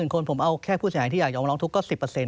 ๓๐๐๐๐คนผมเอาแค่ผู้สนัยที่อยากยอมรองทุกข์ก็๑๐